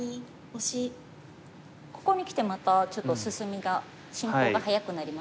ここにきてまたちょっと進みが進行が早くなりましたね。